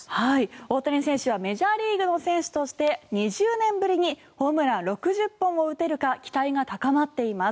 大谷選手はメジャーリーグの選手として２０年ぶりにホームラン６０本を打てるか期待が高まっています。